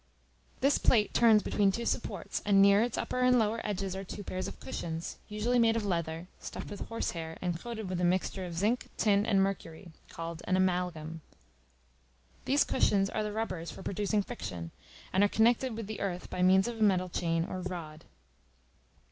This plate turns between two supports, and near its upper and lower edges are two pairs of cushions, usually made of leather, stuffed with horse hair and coated with a mixture of zinc, tin, and mercury, called an amalgam. These cushions are the rubbers for producing friction, and are connected with the earth by means of a metal chain or rod.